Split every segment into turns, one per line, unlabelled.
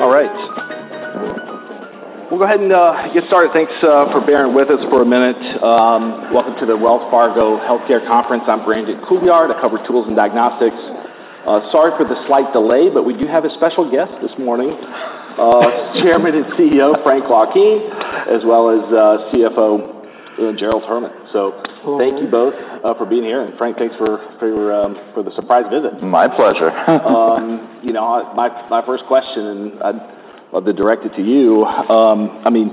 All right. We'll go ahead and get started. Thanks for bearing with us for a minute. Welcome to the Wells Fargo Healthcare Conference. I'm Brandon Couillard. I cover tools and diagnostics. Sorry for the slight delay, but we do have a special guest this morning, Chairman and CEO, Frank Laukien, as well as CFO, Gerald Herman. So thank you both for being here. And Frank, thanks for the surprise visit.
My pleasure.
You know, my first question, and it will be directed to you. I mean,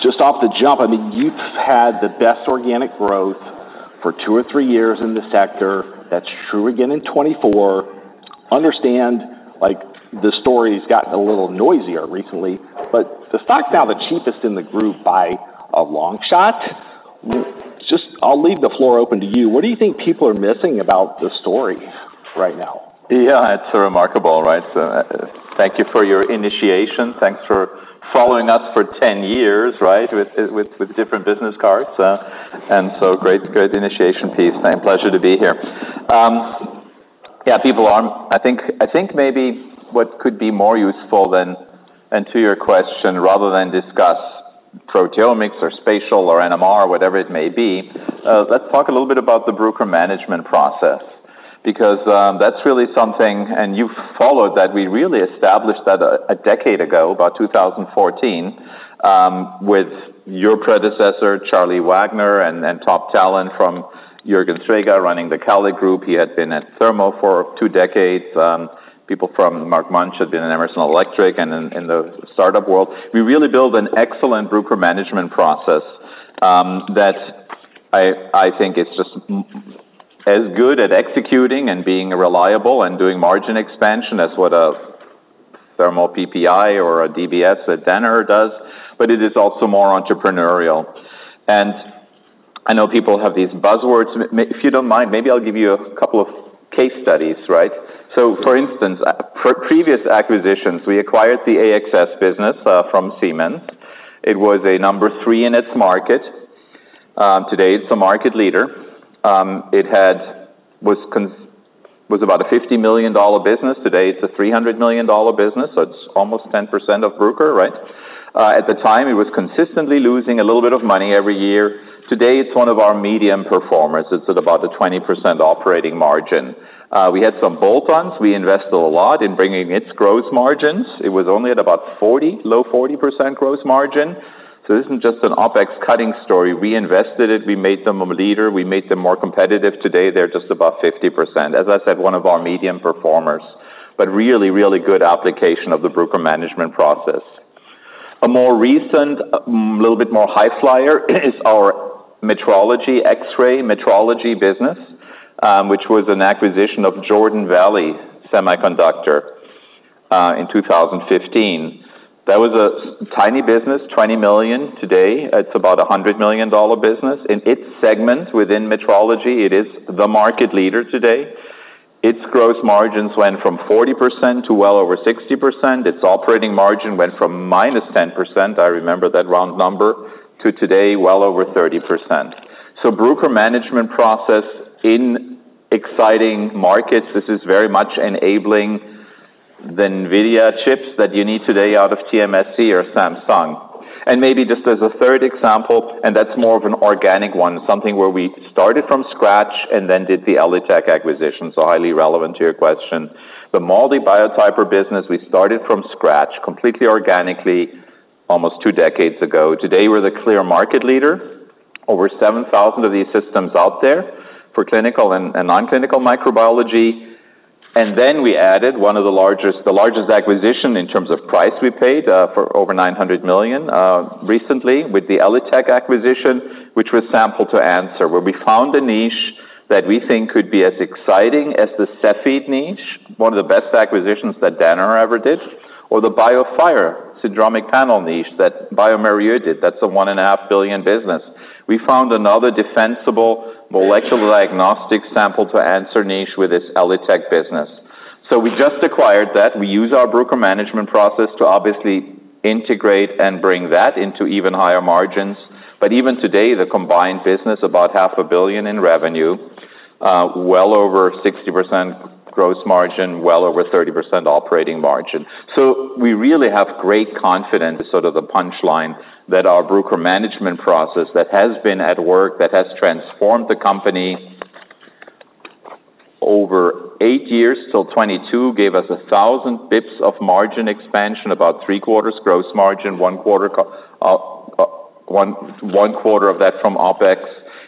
just off the jump, I mean, you've had the best organic growth for two or three years in the sector. That's true again in 2024. Understand, like, the story's gotten a little noisier recently, but the stock's now the cheapest in the group by a long shot. Just, I'll leave the floor open to you. What do you think people are missing about the story right now?
Yeah, it's remarkable, right? Thank you for your initiation. Thanks for following us for 10 years, right, with different business cards. And so great, great initiation piece. My pleasure to be here. Yeah, people are. I think maybe what could be more useful than, and to your question, rather than discuss proteomics or spatial or NMR, whatever it may be, let's talk a little bit about the Bruker management process, because that's really something, and you've followed that. We really established that a decade ago, about 2014, with your predecessor, Charlie Wagner, and top talent from Jürgen Srega, running the CALID group. He had been at Thermo for two decades. People from Mark Munch had been in Emerson Electric and in the startup world. We really built an excellent Bruker management process that I think is just as good at executing and being reliable and doing margin expansion as what a Thermo PPI or a DBS at Danaher does, but it is also more entrepreneurial. I know people have these buzzwords. If you don't mind, maybe I'll give you a couple of case studies, right? So, for instance, for previous acquisitions, we acquired the AXS business from Siemens. It was number three in its market. Today, it's the market leader. It was about a $50 million business. Today, it's a $300 million business, so it's almost 10% of Bruker, right? At the time, it was consistently losing a little bit of money every year. Today, it's one of our medium performers. It's at about a 20% operating margin. We had some bolt-ons. We invested a lot in bringing its gross margins. It was only at about 40, low 40% gross margin. So this isn't just an OpEx cutting story. We invested it. We made them a leader. We made them more competitive. Today, they're just above 50%. As I said, one of our medium performers, but really, really good application of the Bruker management process. A more recent, little bit more highflyer is our metrology, X-ray metrology business, which was an acquisition of Jordan Valley Semiconductors, in two thousand and fifteen. That was a tiny business, $20 million. Today, it's about a $100 million dollar business. In its segment within metrology, it is the market leader today. Its gross margins went from 40% to well over 60%. Its operating margin went from minus 10%, I remember that round number, to today, well over 30%. So Bruker management process in exciting markets, this is very much enabling the NVIDIA chips that you need today out of TSMC or Samsung. And maybe just as a third example, and that's more of an organic one, something where we started from scratch and then did the ELITech acquisition, so highly relevant to your question. The MALDI Biotyper business, we started from scratch, completely organically, almost two decades ago. Today, we're the clear market leader, over 7,000 of these systems out there for clinical and non-clinical microbiology. And then we added one of the largest, the largest acquisition in terms of price we paid, for over $900 million, recently with the ELITechGroup acquisition, which was sample to answer, where we found a niche that we think could be as exciting as the Cepheid niche, one of the best acquisitions that Danaher ever did, or the BioFire syndromic panel niche that bioMérieux did. That's a $1.5 billion business. We found another defensible molecular diagnostics sample-to-answer niche with this ELITechGroup business. So we just acquired that. We use our Bruker management process to obviously integrate and bring that into even higher margins. But even today, the combined business, about $500 million in revenue, well over 60% gross margin, well over 30% operating margin. So we really have great confidence, sort of the punchline, that our Bruker management process that has been at work, that has transformed the company over eight years, till 2022, gave us 1,000 basis points of margin expansion, about three-quarters gross margin, one quarter of that from OpEx,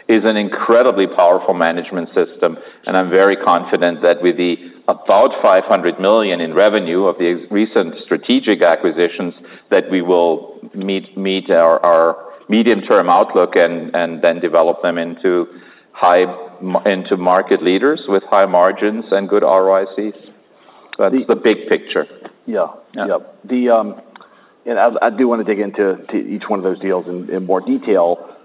is an incredibly powerful management system. And I'm very confident that with the about $500 million in revenue of the recent strategic acquisitions, that we will meet our medium-term outlook and then develop them into high-margin market leaders with high margins and good ROICs. That's the big picture.
Yeah.
Yeah.
Yep. And I do wanna dig into to each one of those deals in more detail.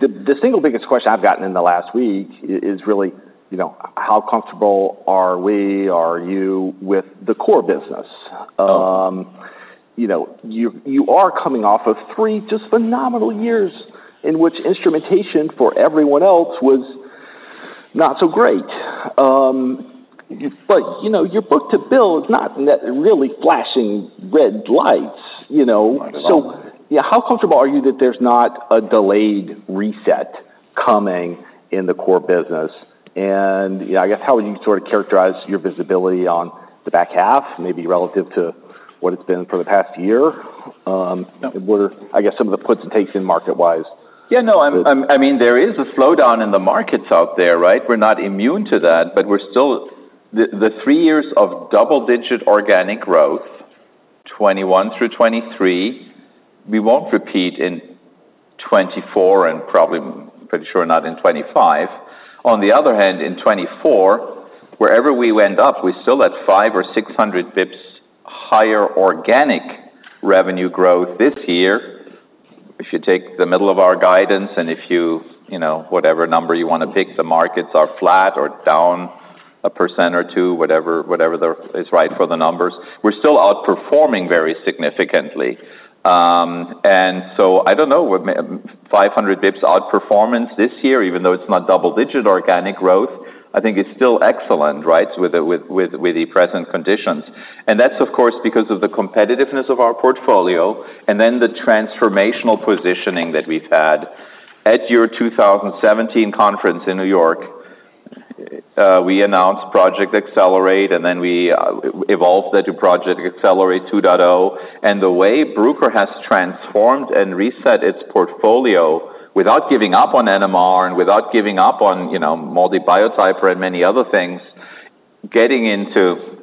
The single biggest question I've gotten in the last week is really, you know, how comfortable are we, are you, with the core business?
Uh-
You know, you are coming off of three just phenomenal years in which instrumentation for everyone else was not so great. But, you know, your book to build not really flashing red lights, you know?
Not at all.
Yeah, how comfortable are you that there's not a delayed reset coming in the core business? And, you know, I guess, how would you sort of characterize your visibility on the back half, maybe relative to what it's been for the past year? What are, I guess, some of the puts and takes in market-wise?
Yeah, no, I'm I mean, there is a slowdown in the markets out there, right? We're not immune to that, but we're still the three years of double-digit organic growth, 2021 through 2023, we won't repeat in 2024 and probably, pretty sure, not in 2025. On the other hand, in 2024, wherever we end up, we're still at 500 or 600 basis points higher organic revenue growth this year. If you take the middle of our guidance, and if you, you know, whatever number you wanna pick, the markets are flat or down 1% or 2%, whatever is right for the numbers, we're still outperforming very significantly. And so I don't know, we're 500 basis points outperformance this year, even though it's not double-digit organic growth, I think it's still excellent, right? With the present conditions. That's, of course, because of the competitiveness of our portfolio, and then the transformational positioning that we've had. At your 2017 conference in New York, we announced Project Accelerate, and then we evolved that to Project Accelerate 2.0. The way Bruker has transformed and reset its portfolio without giving up on NMR and without giving up on, you know, MALDI Biotyper and many other things, getting into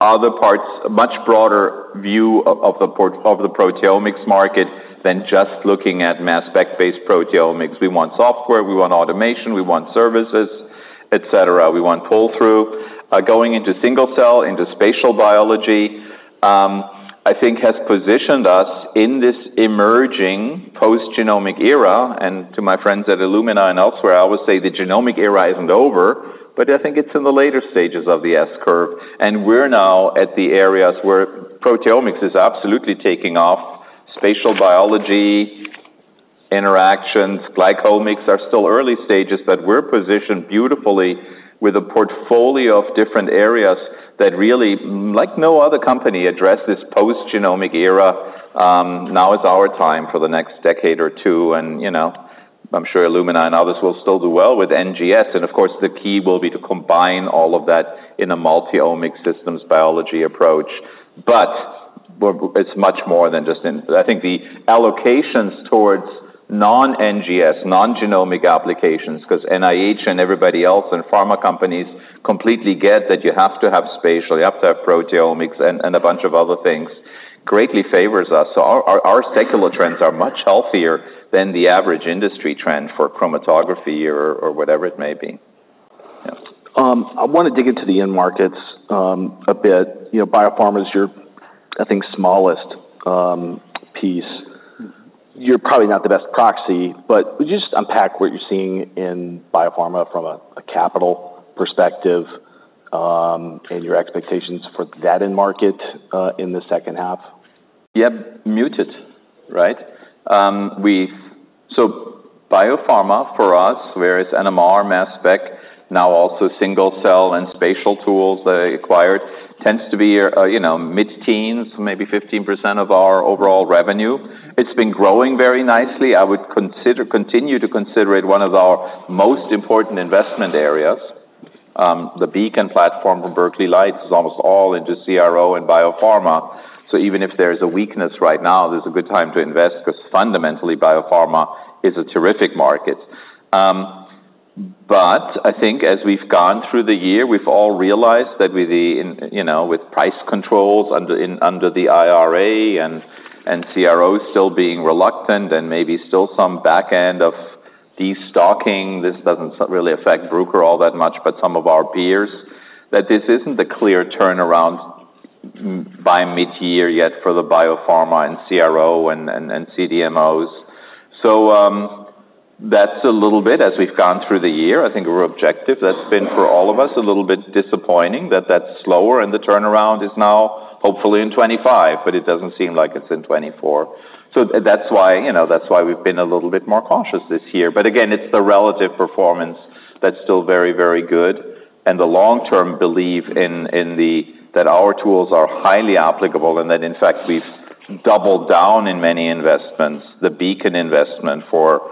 other parts, a much broader view of the proteomics market than just looking at mass spec-based proteomics. We want software, we want automation, we want services, et cetera. We want pull-through. Going into single cell, into spatial biology, I think has positioned us in this emerging post-genomic era. And to my friends at Illumina and elsewhere, I would say the genomic era isn't over, but I think it's in the later stages of the S-curve, and we're now at the areas where proteomics is absolutely taking off. Spatial biology, interactions, glycomics are still early stages, but we're positioned beautifully with a portfolio of different areas that really, like no other company, address this post-genomic era. Now is our time for the next decade or two, and, you know, I'm sure Illumina and others will still do well with NGS. And of course, the key will be to combine all of that in a multi-omics systems biology approach. But it's much more than just in... I think the allocations towards non-NGS, non-genomic applications, 'cause NIH and everybody else, and pharma companies completely get that you have to have spatial, you have to have proteomics and, and a bunch of other things, greatly favors us. So our, our, our secular trends are much healthier than the average industry trend for chromatography or, or whatever it may be. Yeah.
I wanna dig into the end markets, a bit. You know, biopharma is your, I think, smallest piece.
Mm.
You're probably not the best proxy, but would you just unpack what you're seeing in biopharma from a capital perspective, and your expectations for that end market, in the second half?
Yeah, muted, right? So biopharma for us, whereas NMR, mass spec, now also single cell and spatial tools they acquired, tends to be, you know, mid-teens, maybe 15% of our overall revenue. It's been growing very nicely. Continue to consider it one of our most important investment areas. The Beacon platform from Berkeley Lights is almost all into CRO and biopharma. So even if there's a weakness right now, there's a good time to invest, 'cause fundamentally, biopharma is a terrific market. But I think as we've gone through the year, we've all realized that with the, you know, with price controls under, in, under the IRA and CROs still being reluctant and maybe still some back end of destocking, this doesn't really affect Bruker all that much, but some of our peers, that this isn't a clear turnaround by mid-year yet for the biopharma and CRO and CDMOs. So, that's a little bit as we've gone through the year. I think we're objective. That's been, for all of us, a little bit disappointing, that that's slower, and the turnaround is now hopefully in 2025, but it doesn't seem like it's in 2024. So that's why, you know, that's why we've been a little bit more cautious this year. But again, it's the relative performance that's still very, very good, and the long-term belief in the- that our tools are highly applicable and that, in fact, we've doubled down in many investments, the Beacon investment for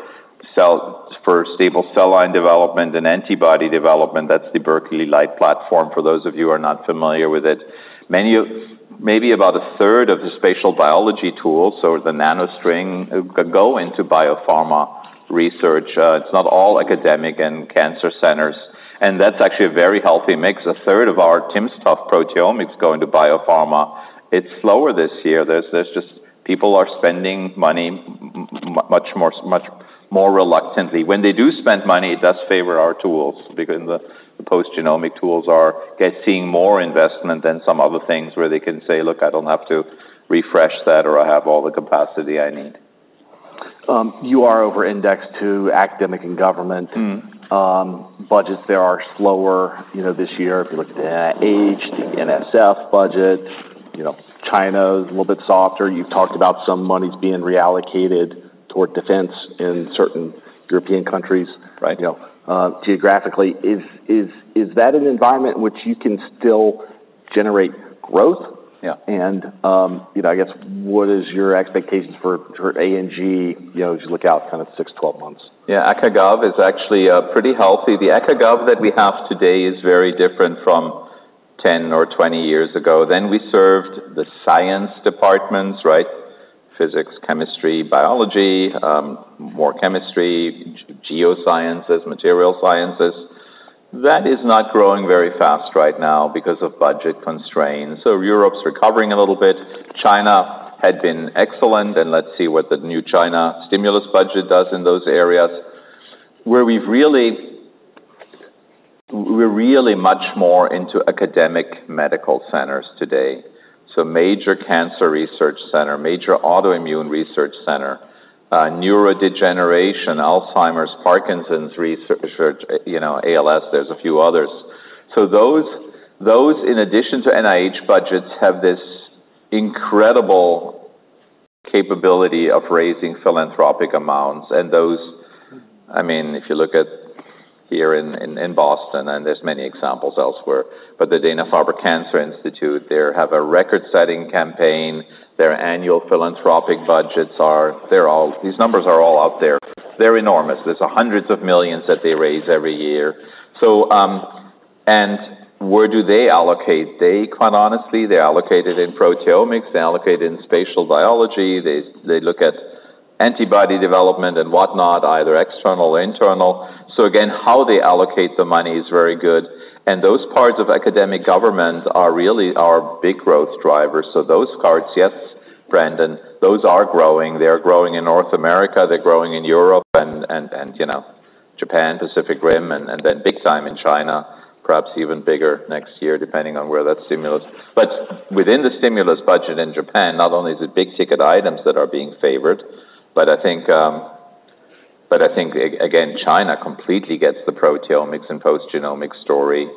cell- for stable cell line development and antibody development. That's the Berkeley Lights platform, for those of you who are not familiar with it. Many, maybe about a third of the spatial biology tools, so the NanoString, go into biopharma research. It's not all academic and cancer centers, and that's actually a very healthy mix. A third of our timsTOF stuff, proteomics, go into biopharma. It's slower this year. There's just... People are spending money much more, much more reluctantly. When they do spend money, it does favor our tools because the post-genomic tools are seeing more investment than some other things where they can say: Look, I don't have to refresh that, or I have all the capacity I need.
You are over-indexed to academic and government-
Mm.
budgets. There are slower, you know, this year, if you look at NIH and NSF budget. You know, China is a little bit softer. You've talked about some monies being reallocated toward defense in certain European countries.
Right.
You know, geographically. Is that an environment in which you can still generate growth?
Yeah.
You know, I guess, what is your expectations for A&G, you know, as you look out kind of six, 12 months?
Yeah, Acad/Gov is actually pretty healthy. The Acad/Gov that we have today is very different from 10 or 20 years ago. Then we served the science departments, right? Physics, chemistry, biology, more chemistry, geosciences, material sciences. That is not growing very fast right now because of budget constraints. So Europe's recovering a little bit. China had been excellent, and let's see what the new China stimulus budget does in those areas. Where we're really much more into academic medical centers today, so major cancer research center, major autoimmune research center, neurodegeneration, Alzheimer's, Parkinson's research, you know, ALS, there's a few others. So those, in addition to NIH budgets, have this incredible capability of raising philanthropic amounts. And those, I mean, if you look here in Boston, and there's many examples elsewhere, but the Dana-Farber Cancer Institute, they have a record-setting campaign. Their annual philanthropic budgets are. They're all. These numbers are all out there. They're enormous. There's hundreds of millions that they raise every year. So, and where do they allocate? They, quite honestly, they allocate it in proteomics, they allocate it in spatial biology. They, they look at antibody development and whatnot, either external or internal. So again, how they allocate the money is very good, and those parts of academic and government are really our big growth drivers. So those parts, yes, Brandon, those are growing. They are growing in North America, they're growing in Europe and, you know, Japan, Pacific Rim, and then big time in China, perhaps even bigger next year, depending on where that stimulus... But within the stimulus budget in Japan, not only is it big-ticket items that are being favored, but I think again, China completely gets the proteomics and post-genomics story.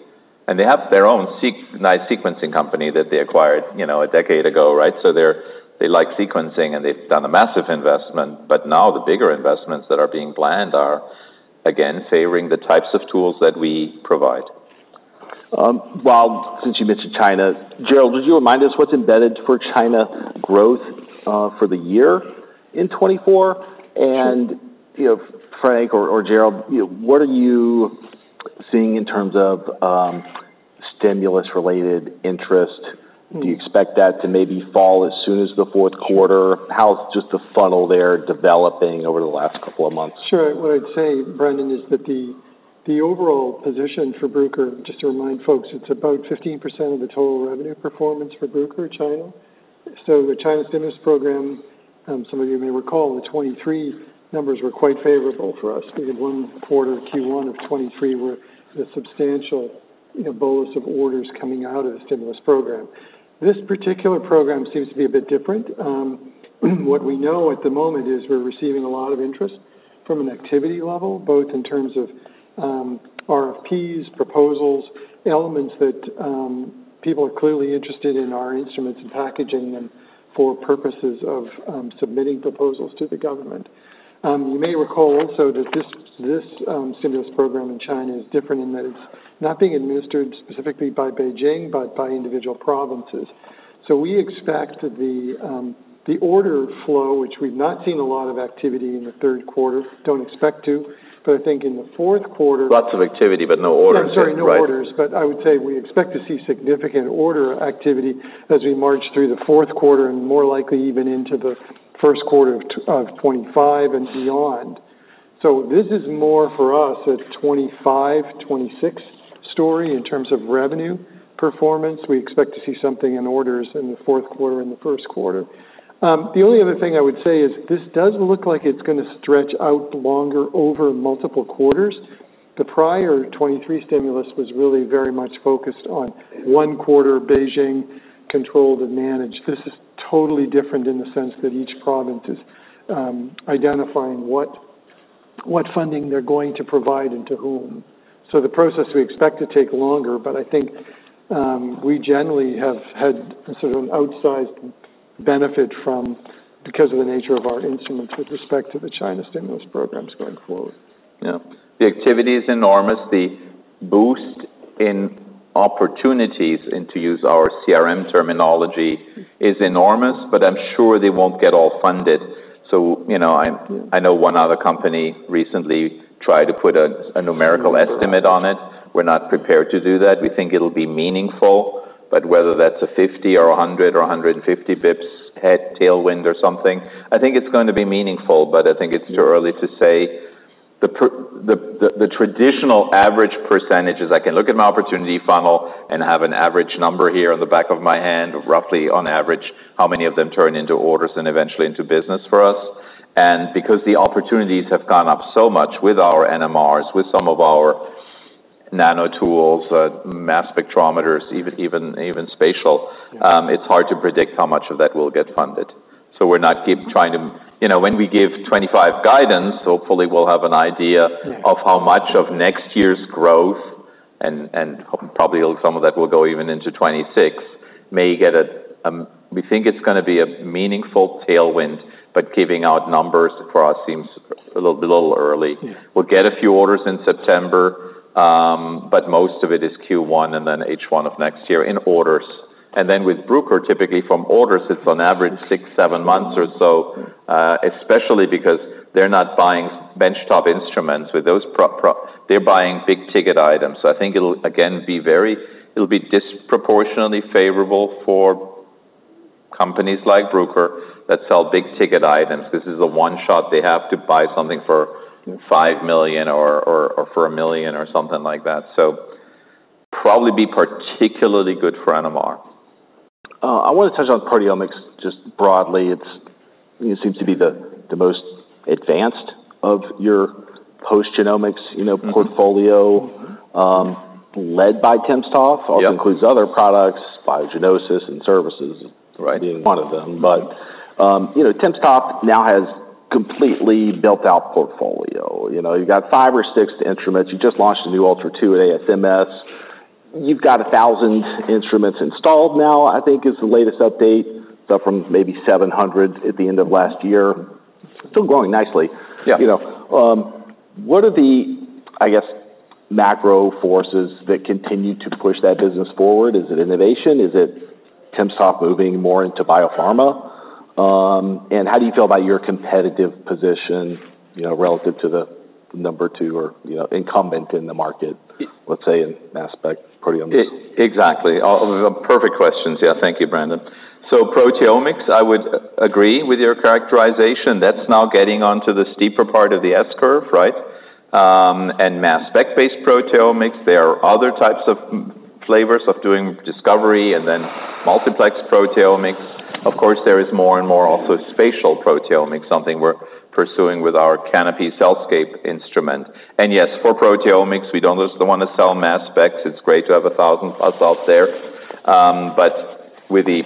And they have their own BGI sequencing company that they acquired, you know, a decade ago, right? So they like sequencing, and they've done a massive investment. But now the bigger investments that are being planned are, again, favoring the types of tools that we provide.
Since you mentioned China, Gerald, would you remind us what's embedded for China growth for the year in 2024? You know, Frank or Gerald, you know, what are you seeing in terms of stimulus-related interest? Do you expect that to maybe fall as soon as the fourth quarter? How's just the funnel there developing over the last couple of months?
Sure. What I'd say, Brandon, is that the overall position for Bruker, just to remind folks, it's about 15% of the total revenue performance for Bruker China. So the China stimulus program, some of you may recall, the 2023 numbers were quite favorable for us. We had one quarter, Q1 of 2023, where the substantial, you know, bolus of orders coming out of the stimulus program. This particular program seems to be a bit different. What we know at the moment is we're receiving a lot of interest from an activity level, both in terms of RFPs, proposals, elements that people are clearly interested in our instruments and packaging them for purposes of submitting proposals to the government. You may recall also that this stimulus program in China is different in that it's not being administered specifically by Beijing, but by individual provinces. So we expect the order flow, which we've not seen a lot of activity in the third quarter, don't expect to, but I think in the fourth quarter-
Lots of activity, but no orders, right?
I'm sorry, no orders. But I would say we expect to see significant order activity as we march through the fourth quarter and more likely even into the first quarter of 2025 and beyond. So this is more for us, a 2025, 2026 story in terms of revenue performance. We expect to see something in orders in the fourth quarter and the first quarter. The only other thing I would say is this does look like it's gonna stretch out longer over multiple quarters. The prior 23 stimulus was really very much focused on one quarter, Beijing controlled and managed. This is totally different in the sense that each province is identifying what funding they're going to provide and to whom. The process we expect to take longer, but I think we generally have had a sort of an outsized benefit from, because of the nature of our instruments, with respect to the China stimulus programs going forward.
Yeah. The activity is enormous. The boost in opportunities, and to use our CRM terminology, is enormous, but I'm sure they won't get all funded. So, you know, I-
Yeah...
I know one other company recently tried to put a numerical estimate on it. We're not prepared to do that. We think it'll be meaningful, but whether that's a 50 or a 100 or a 150 basis points headwind or tailwind or something, I think it's going to be meaningful, but I think it's too early to say. The traditional average percentage is I can look at my opportunity funnel and have an average number here on the back of my hand, roughly on average, how many of them turn into orders and eventually into business for us. And because the opportunities have gone up so much with our NMRs, with some of our nano tools, mass spectrometers, even, even spatial-
Yeah...
it's hard to predict how much of that will get funded, so we keep trying to, you know, when we give 2025 guidance, hopefully we'll have an idea.
Right.
of how much of next year's growth, and probably some of that will go even into 2026, may get a, we think it's gonna be a meaningful tailwind, but giving out numbers for us seems a little early.
Yeah.
We'll get a few orders in September, but most of it is Q1 and then H1 of next year in orders. And then with Bruker, typically from orders, it's on average six, seven months or so, especially because they're not buying benchtop instruments. With those, they're buying big ticket items. So I think it'll, again, be very. It'll be disproportionately favorable for companies like Bruker that sell big ticket items. This is a one shot. They have to buy something for $5 million or for $1 million or something like that. So probably be particularly good for NMR.
I want to touch on proteomics just broadly. It's, it seems to be the most advanced of your post-genomics, you know-
Mm-hmm.
- portfolio, led by timsTOF.
Yeah.
Also includes other products, Biognosys and Services-
Right.
- being one of them. But, you know, timsTOF now has completely built out portfolio. You know, you've got five or six instruments. You just launched a new Ultra 2 at ASMS. You've got a thousand instruments installed now, I think is the latest update, from maybe seven hundred at the end of last year. Still growing nicely.
Yeah.
You know, what are the, I guess, macro forces that continue to push that business forward? Is it innovation? Is it timsTOF moving more into biopharma? And how do you feel about your competitive position, you know, relative to the number two or, you know, incumbent in the market, let's say, in spatial proteomics?
Exactly. Perfect questions. Yeah, thank you, Brandon. So proteomics, I would agree with your characterization. That's now getting onto the steeper part of the S-curve, right? And mass spec-based proteomics, there are other types of flavors of doing discovery and then multiplex proteomics. Of course, there is more and more also spatial proteomics, something we're pursuing with our Canopy CellScape instrument. And yes, for proteomics, we don't just want to sell mass specs. It's great to have a thousand plus out there. But with the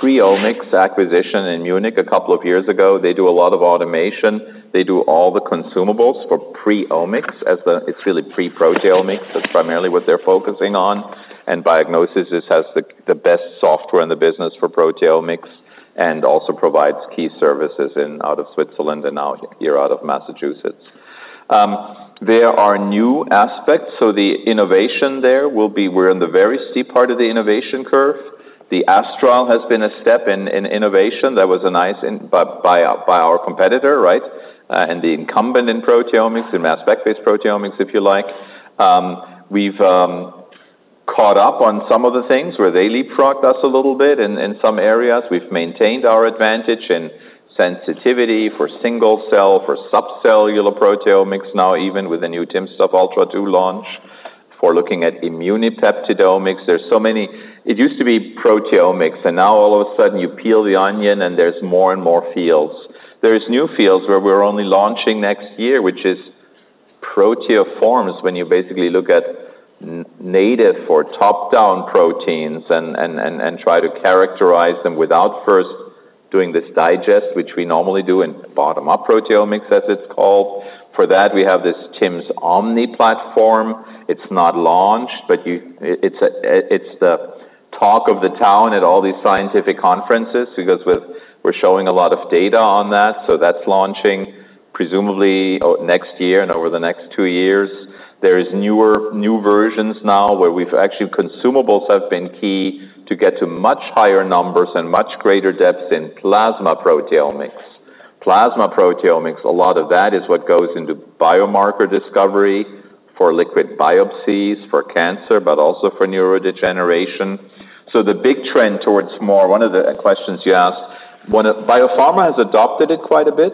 PreOmics acquisition in Munich a couple of years ago, they do a lot of automation. They do all the consumables for PreOmics as the. It's really pre-proteomics. That's primarily what they're focusing on. And Biognosys has the best software in the business for proteomics and also provides key services out of Switzerland and now here out of Massachusetts. There are new aspects, so the innovation there will be. We're in the very steep part of the innovation curve. The Astral has been a step in innovation. That was a nice innovation by our competitor, right? The incumbent in proteomics, in mass spec-based proteomics, if you like. We've caught up on some of the things where they leapfrogged us a little bit in some areas. We've maintained our advantage in sensitivity for single cell, for subcellular proteomics, now even with the new timsTOF Ultra 2 launch, for looking at immunopeptidomics. There's so many. It used to be proteomics, and now all of a sudden you peel the onion, and there's more and more fields. There's new fields where we're only launching next year, which is proteoforms, when you basically look at n-native or top-down proteins and try to characterize them without first doing this digest, which we normally do in bottom-up proteomics, as it's called. For that, we have this TIMS Omni platform. It's not launched, but it, it's the talk of the town at all these scientific conferences because we're showing a lot of data on that, so that's launching presumably next year and over the next two years. There is new versions now, where we've actually, consumables have been key to get to much higher numbers and much greater depth in plasma proteomics. Plasma proteomics, a lot of that is what goes into biomarker discovery for liquid biopsies, for cancer, but also for neurodegeneration. So the big trend towards more, one of the questions you asked, one of, biopharma has adopted it quite a bit.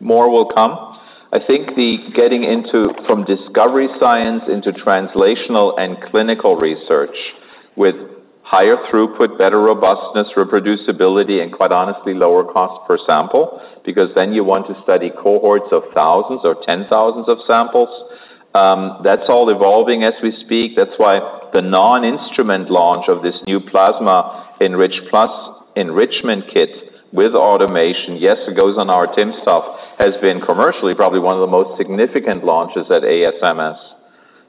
More will come. I think the getting into, from discovery science into translational and clinical research with higher throughput, better robustness, reproducibility, and quite honestly, lower cost per sample, because then you want to study cohorts of thousands or ten thousands of samples, that's all evolving as we speak. That's why the non-instrument launch of this new Plasma Enrich Plus enrichment kit with automation, yes, it goes on our timsTOF, has been commercially probably one of the most significant launches at ASMS,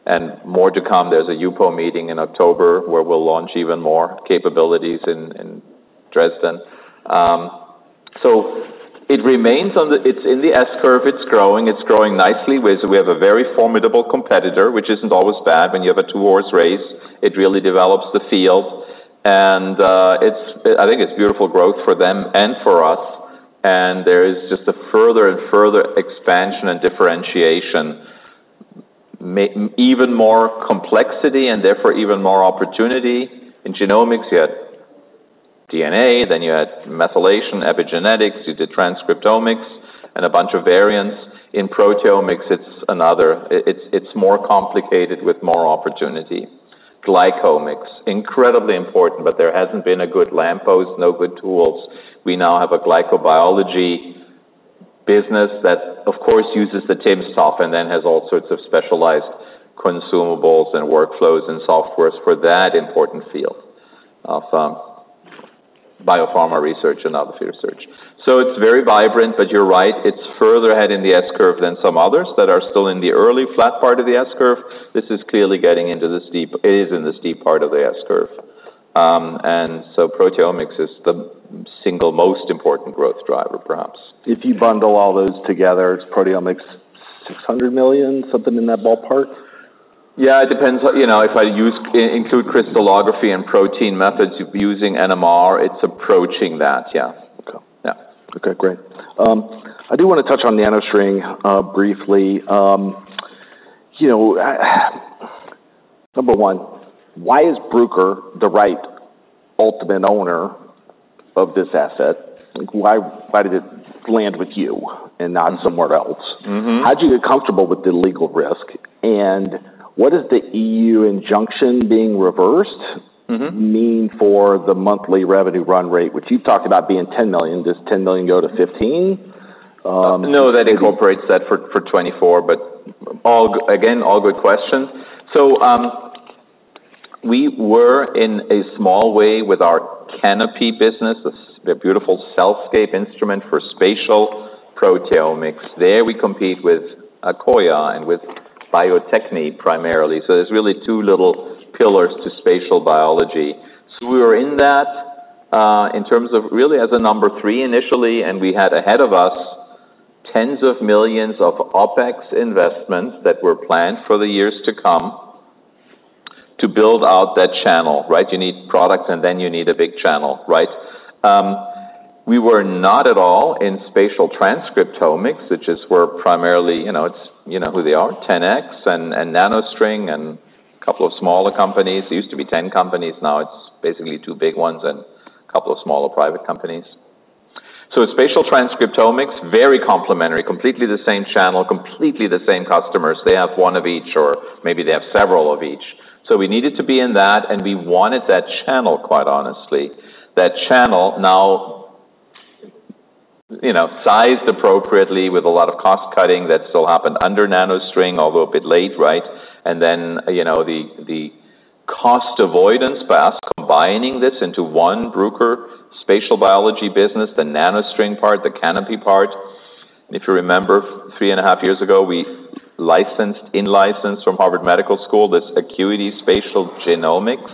and more to come. There's a HUPO meeting in October, where we'll launch even more capabilities in Dresden. So it remains on the, it's in the S-curve. It's growing. It's growing nicely. We have a very formidable competitor, which isn't always bad. When you have a two-horse race, it really develops the field and it's, I think, beautiful growth for them and for us, and there is just a further and further expansion and differentiation, even more complexity and therefore even more opportunity. In genomics, you had DNA, then you had methylation, epigenetics, you did transcriptomics, and a bunch of variants. In proteomics, it's another. It's more complicated with more opportunity. Glycomics, incredibly important, but there hasn't been a good lamppost, no good tools. We now have a glycobiology business that, of course, uses the TIMS software and then has all sorts of specialized consumables and workflows and softwares for that important field of biopharma research and other field research. So it's very vibrant, but you're right, it's further ahead in the S-curve than some others that are still in the early flat part of the S-curve. This is clearly getting into the steep, it is in the steep part of the S-curve. And so proteomics is the single most important growth driver, perhaps.
If you bundle all those together, it's proteomics, $600 million, something in that ballpark?
Yeah, it depends. You know, if I include crystallography and protein methods using NMR, it's approaching that, yeah.
Okay.
Yeah.
Okay, great. I do wanna touch on NanoString briefly. You know, number one, why is Bruker the right ultimate owner of this asset? Like, why did it land with you and not somewhere else?
Mm-hmm.
How'd you get comfortable with the legal risk? And what is the EU injunction being reversed?
Mm-hmm.
mean for the monthly revenue run rate, which you've talked about being $10 million. Does $10 million go to $15 million?
No, that incorporates that for 2024, but all, again, all good questions. So, we were in a small way with our Canopy business. It's a beautiful CellScape instrument for spatial proteomics. There, we compete with Akoya and with Bio-Techne primarily. So there's really two little pillars to spatial biology. So we were in that, in terms of really as a number three initially, and we had ahead of us tens of millions of OpEx investments that were planned for the years to come, to build out that channel, right? You need products, and then you need a big channel, right? We were not at all in spatial transcriptomics, which is where primarily, you know, it's, you know who they are, 10x and, and NanoString, and a couple of smaller companies. It used to be ten companies, now it's basically two big ones and a couple of smaller private companies. Spatial transcriptomics, very complementary, completely the same channel, completely the same customers. They have one of each, or maybe they have several of each. We needed to be in that, and we wanted that channel, quite honestly. That channel now, you know, sized appropriately with a lot of cost-cutting that still happened under NanoString, although a bit late, right? Then, you know, the cost avoidance by us combining this into one Bruker spatial biology business, the NanoString part, the Canopy part. If you remember, three and a half years ago, we licensed, in-licensed from Harvard Medical School, this Acuity Spatial Genomics.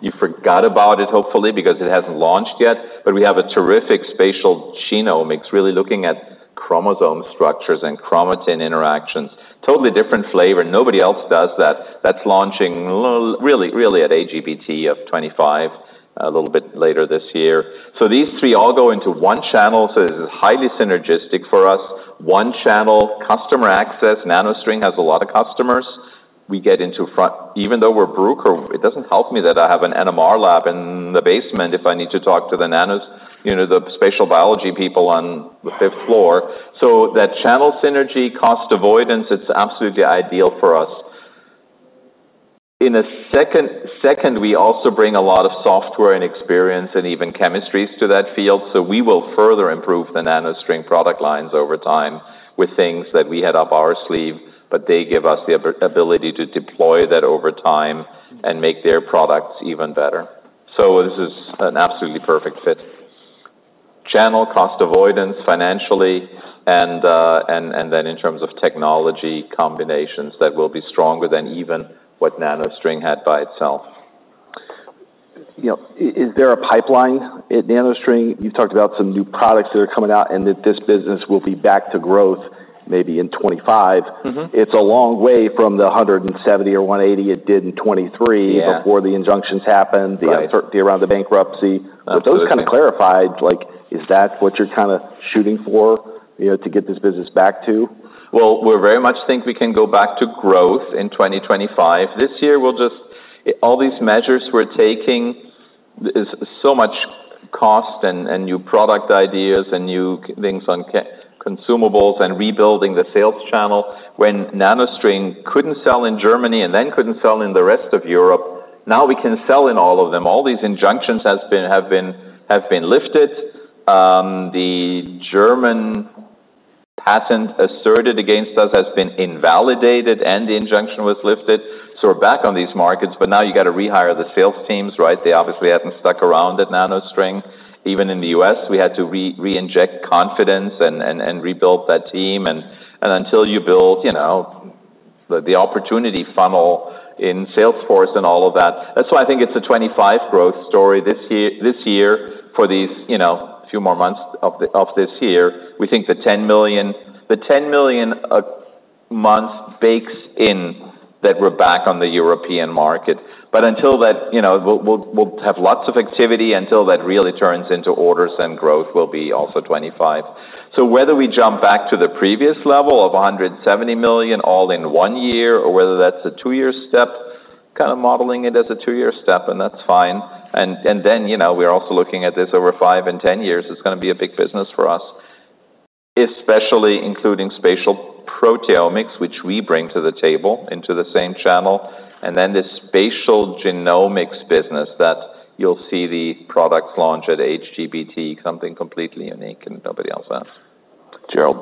You forgot about it, hopefully, because it hasn't launched yet, but we have a terrific spatial genomics, really looking at chromosome structures and chromatin interactions. Totally different flavor, nobody else does that. That's launching really, really at AGBT of 2025, a little bit later this year. So these three all go into one channel, so this is highly synergistic for us. One channel, customer access. NanoString has a lot of customers. We get into Even though we're Bruker, it doesn't help me that I have an NMR lab in the basement if I need to talk to the nanos, you know, the spatial biology people on the fifth floor. So that channel synergy, cost avoidance, it's absolutely ideal for us. In a second, we also bring a lot of software and experience and even chemistries to that field. So we will further improve the NanoString product lines over time with things that we had up our sleeve, but they give us the ability to deploy that over time and make their products even better. So this is an absolutely perfect fit. Channel cost avoidance financially, and then in terms of technology combinations, that will be stronger than even what NanoString had by itself.
You know, is there a pipeline at NanoString? You talked about some new products that are coming out, and that this business will be back to growth maybe in 2025.
Mm-hmm.
It's a long way from the 170 or 180 it did in 2023-
Yeah...
before the injunctions happened-
Right
the uncertainty around the bankruptcy.
Absolutely.
With those kinda clarified, like, is that what you're kinda shooting for, you know, to get this business back to?
We very much think we can go back to growth in 2025. This year, we'll just all these measures we're taking is so much cost and new product ideas and new things on consumables and rebuilding the sales channel. When NanoString couldn't sell in Germany and then couldn't sell in the rest of Europe, now we can sell in all of them. All these injunctions has been lifted. The German patent asserted against us has been invalidated, and the injunction was lifted. So we're back on these markets, but now you gotta rehire the sales teams, right? They obviously hadn't stuck around at NanoString. Even in the US, we had to reinject confidence and rebuild that team. Until you build, you know, the opportunity funnel in Salesforce and all of that. That's why I think it's a 25% growth story. This year, for these, you know, few more months of this year, we think the $10 million headwind bakes in that we're back on the European market. But until that, you know, we'll have lots of activity until that really turns into orders, then growth will be also 25%. So whether we jump back to the previous level of $170 million all in one year, or whether that's a two-year step, kinda modeling it as a two-year step, and that's fine. And then, you know, we're also looking at this over five and ten years, it's gonna be a big business for us, especially including spatial-... proteomics, which we bring to the table, into the same channel, and then this spatial genomics business that you'll see the products launch at AGBT, something completely unique and nobody else has.
Gerald,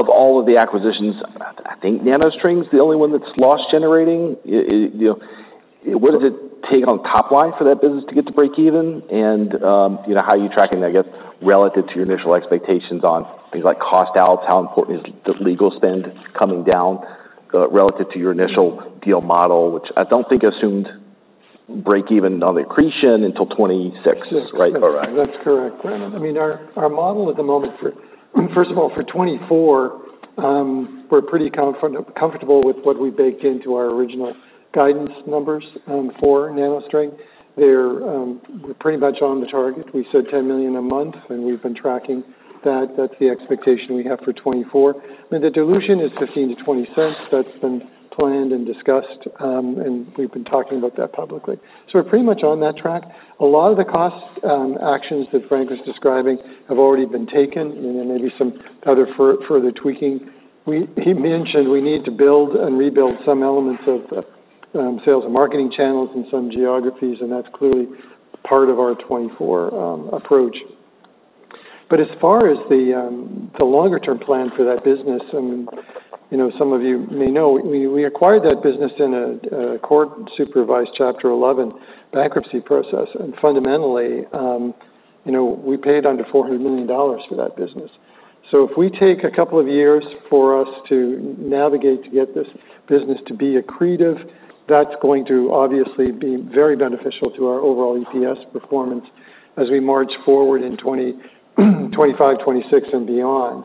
of all of the acquisitions, I think NanoString's the only one that's loss-generating. You know, what does it take on top line for that business to get to breakeven? And, you know, how are you tracking that, I guess, relative to your initial expectations on things like cost out? How important is the legal spend coming down, relative to your initial deal model, which I don't think assumed breakeven on the accretion until 2026, right?
That's correct. I mean, our model at the moment for, first of all, for 2024, we're pretty comfortable with what we baked into our original guidance numbers, for NanoString. They're pretty much on the target. We said $10 million a month, and we've been tracking that. That's the expectation we have for 2024. I mean, the dilution is $0.15-$0.20. That's been planned and discussed, and we've been talking about that publicly. So we're pretty much on that track. A lot of the cost actions that Frank was describing have already been taken, and there may be some other further tweaking. He mentioned we need to build and rebuild some elements of sales and marketing channels in some geographies, and that's clearly part of our 2024 approach. But as far as the longer term plan for that business, and, you know, some of you may know, we acquired that business in a court-supervised Chapter 11 bankruptcy process. And fundamentally, you know, we paid under $400 million for that business. So if we take a couple of years for us to navigate to get this business to be accretive, that's going to obviously be very beneficial to our overall EPS performance as we march forward in 2025, 2026 and beyond.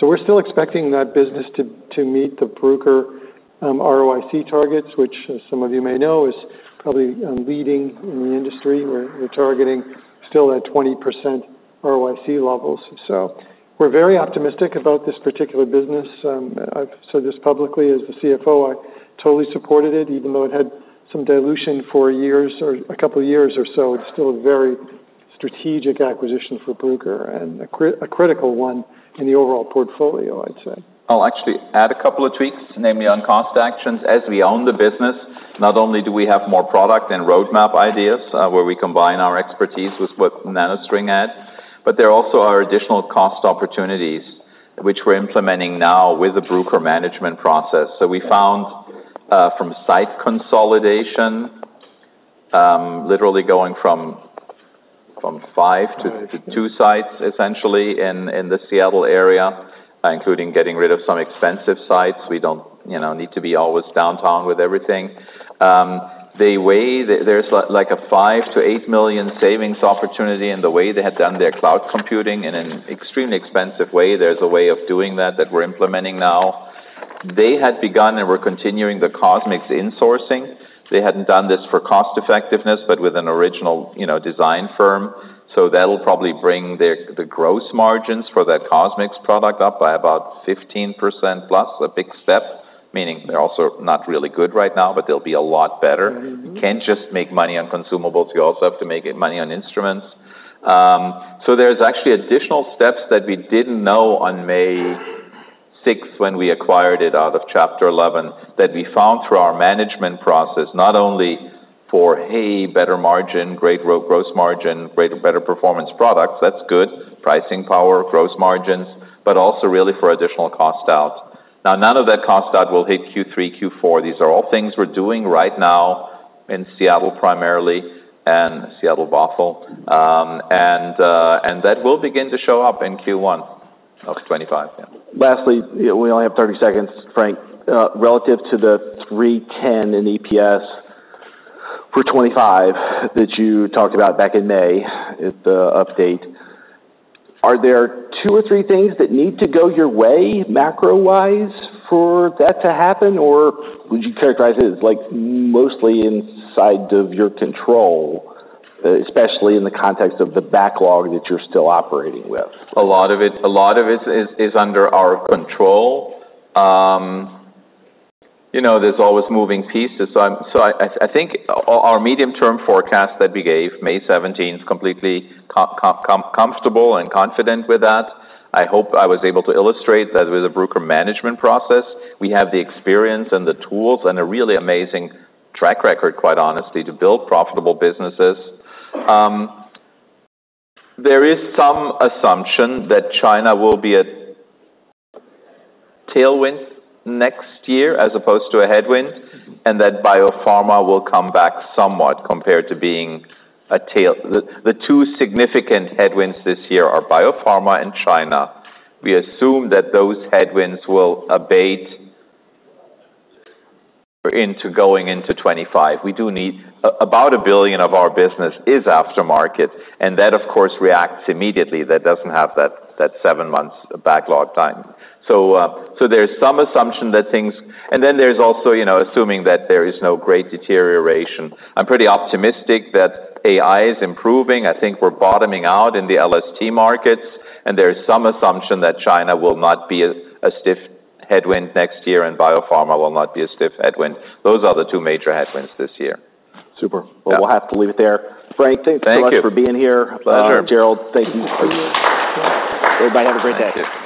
So we're still expecting that business to meet the Bruker ROIC targets, which, as some of you may know, is probably leading in the industry. We're targeting still at 20% ROIC levels. So we're very optimistic about this particular business. I've said this publicly, as the CFO, I totally supported it, even though it had some dilution for years or a couple of years or so. It's still a very strategic acquisition for Bruker and a critical one in the overall portfolio, I'd say.
I'll actually add a couple of tweaks, namely on cost actions. As we own the business, not only do we have more product and roadmap ideas, where we combine our expertise with what NanoString had, but there also are additional cost opportunities which we're implementing now with the Bruker management process. So we found, from site consolidation, literally going from five to two sites, essentially, in the Seattle area, including getting rid of some expensive sites. We don't, you know, need to be always downtown with everything. There's like a $5 million-$8 million savings opportunity in the way they had done their cloud computing in an extremely expensive way. There's a way of doing that, that we're implementing now. They had begun, and we're continuing the CosMx insourcing. They hadn't done this for cost effectiveness, but with an original, you know, design firm. So that'll probably bring the gross margins for that CosMx product up by about 15%, plus, a big step, meaning they're also not really good right now, but they'll be a lot better.
Mm-hmm.
You can't just make money on consumables, you also have to make money on instruments. So there's actually additional steps that we didn't know on May 6th when we acquired it out of Chapter 11, that we found through our management process, not only for, hey, better margin, great gross margin, great, better performance products, that's good, pricing power, gross margins, but also really for additional cost out. Now, none of that cost out will hit Q3, Q4. These are all things we're doing right now in Seattle, primarily, and Buffalo. That will begin to show up in Q1 of 2025. Yeah.
Lastly, we only have thirty seconds, Frank. Relative to the $3.10 in EPS for 2025 that you talked about back in May at the update, are there two or three things that need to go your way, macro-wise, for that to happen? Or would you characterize it as, like, mostly inside of your control, especially in the context of the backlog that you're still operating with?
A lot of it is under our control. You know, there's always moving pieces. So I think our medium-term forecast that we gave, May seventeenth, is completely comfortable and confident with that. I hope I was able to illustrate that with the Bruker management process, we have the experience and the tools and a really amazing track record, quite honestly, to build profitable businesses. There is some assumption that China will be a tailwind next year as opposed to a headwind, and that biopharma will come back somewhat compared to being a tailwind. The two significant headwinds this year are biopharma and China. We assume that those headwinds will abate going into 2025. We do need about $1 billion of our business is aftermarket, and that, of course, reacts immediately. That doesn't have that seven months backlog time. So, so there's some assumption that things. And then there's also, you know, assuming that there is no great deterioration. I'm pretty optimistic that AI is improving. I think we're bottoming out in the LST markets, and there is some assumption that China will not be a stiff headwind next year and biopharma will not be a stiff headwind. Those are the two major headwinds this year.
Super.
Yeah.
Well, we'll have to leave it there. Frank-
Thank you.
Thank you much for being here.
Pleasure.
Gerald, thank you. Everybody, have a great day.